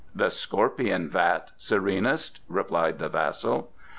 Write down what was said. "The scorpion vat, Serenest," replied the vassal.